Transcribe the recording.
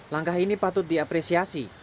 langkah ini patut diapresiasi